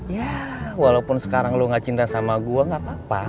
ya walaupun sekarang lo gak cinta sama gue gak apa apa